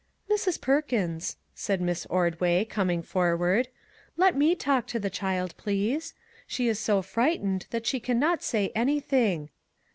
" Mrs. Perkins," said Miss Ordway, com ing forward, " let me talk to the child, please. She is so frightened that she can not say any thing.